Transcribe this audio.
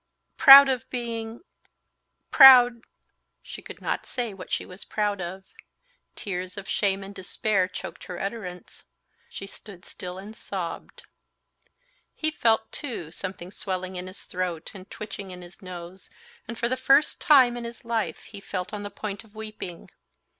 proud of being ... proud...." She could not say what she was proud of. Tears of shame and despair choked her utterance. She stood still and sobbed. He felt, too, something swelling in his throat and twitching in his nose, and for the first time in his life he felt on the point of weeping.